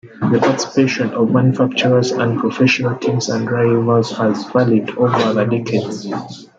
The participation of manufactures and professional teams and drivers has varied over the decades.